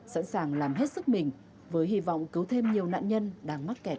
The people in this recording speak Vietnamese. sẵn sàng làm hết sức mình với hy vọng cứu thêm nhiều nạn nhân đang mắc kẹt